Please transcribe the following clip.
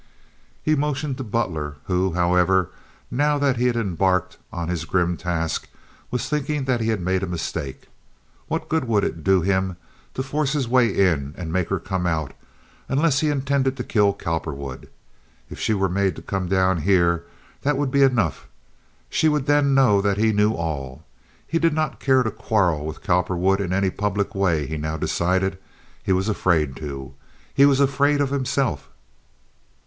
He motioned to Butler, who, however, now that he had embarked on his grim task, was thinking that he had made a mistake. What good would it do him to force his way in and make her come out, unless he intended to kill Cowperwood? If she were made to come down here, that would be enough. She would then know that he knew all. He did not care to quarrel with Cowperwood, in any public way, he now decided. He was afraid to. He was afraid of himself.